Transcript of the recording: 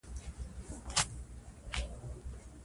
د بانک کارکوونکي د انلاین خدماتو په اړه لارښوونه کوي.